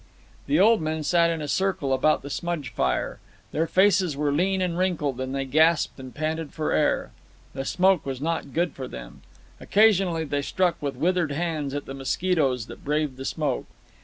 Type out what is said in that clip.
The old men sat in a circle about the smudge fire. Their faces were lean and wrinkled, and they gasped and panted for air. The smoke was not good for them. Occasionally they struck with withered hands at the mosquitoes that braved the smoke.